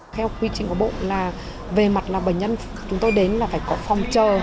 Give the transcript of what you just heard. theo quy trình của bộ là về mặt là bệnh nhân chúng tôi đến là phải có phòng chờ